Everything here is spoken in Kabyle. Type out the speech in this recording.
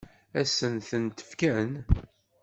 Ad sen-tent-fken?